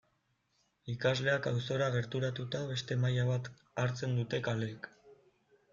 Ikasleak auzora gerturatuta beste maila bat hartzen dute kaleek.